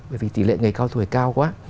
bởi vì tỷ lệ người cao tuổi cao quá